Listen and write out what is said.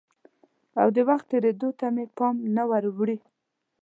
او د وخت تېرېدو ته مې پام نه وراوړي؟